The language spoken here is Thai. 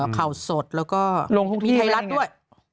ข่าวสดแล้วก็มีไทยรัฐด้วย